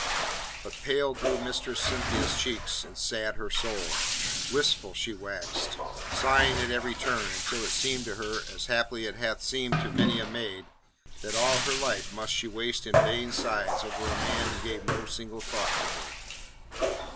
But pale grew Mistress Cynthia's cheeks, and sad her soul. Wistful she waxed, sighing at every turn, until it seemed to her as haply it hath seemed to many a maid that all her life must she waste in vain sighs over a man who gave no single thought to her.